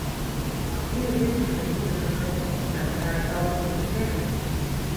Wie wir wissen, sind diese Prozesse oftmals zeitraubend und beschwerlich.